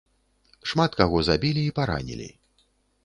Шмат каго забілі і паранілі.